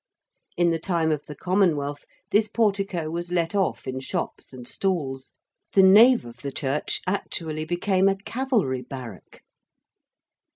In the time of the Commonwealth this portico was let off in shops and stalls: the nave of the church actually became a cavalry barrack.